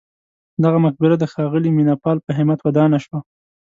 دغه مقبره د ښاغلي مینه پال په همت ودانه شوه.